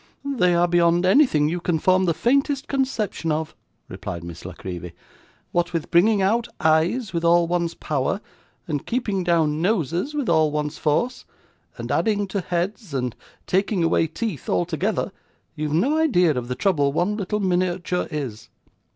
'They are beyond anything you can form the faintest conception of,' replied Miss La Creevy. 'What with bringing out eyes with all one's power, and keeping down noses with all one's force, and adding to heads, and taking away teeth altogether, you have no idea of the trouble one little miniature is.